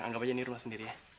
anggap aja nih rumah sendiri ya